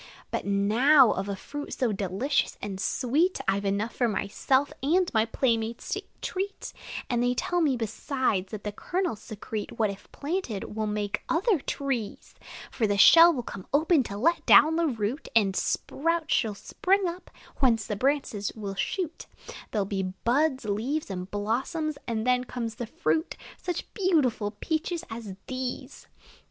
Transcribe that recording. But now, of a fruit so delicious and sweet I 've enough for myself and my playmates a treat; And they tell me, besides, that the kernels secrete What, if planted, will make other trees: For the shell will come open to let down the root; A sprout will spring up, whence the branches will shoot; There 'll be buds, leaves, and blossoms; and then comes the fruit Such beautiful peaches as these!